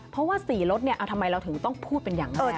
เพราะว่า๔รถทำไมเราถึงต้องพูดเป็นอย่างนั้น